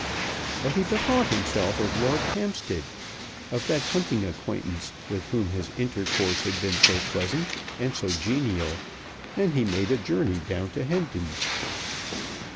But he bethought himself of Lord Hampstead, of that hunting acquaintance, with whom his intercourse had been so pleasant and so genial, and he made a journey down Hendon.